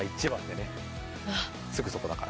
すぐそこだから。